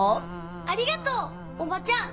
ありがとうおばちゃん！